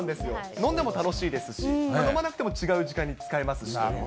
飲んでも楽しいですし、飲まなくても違う時間に使えますし。